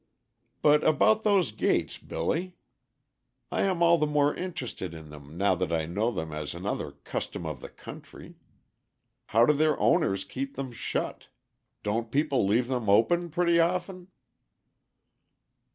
"But about those gates, Billy. I am all the more interested in them now that I know them as another 'custom of the country.' How do their owners keep them shut? Don't people leave them open pretty often?"